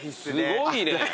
すごいね。